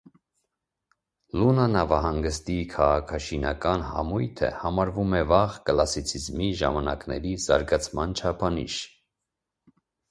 Լունա նավահանգստի քաղաքաշինական համույթը համարվում է վաղ կլասիցիզմի ժամանակների զարգացման չափանիշ։